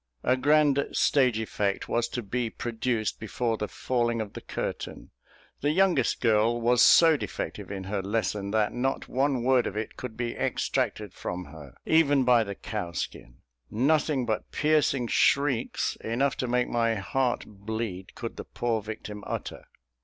A grand stage effect was to be produced before the falling of the curtain. The youngest girl was so defective in her lesson, that not one word of it could be extracted from her, even by the cowskin; nothing but piercing shrieks, enough to make my heart bleed, could the poor victim utter.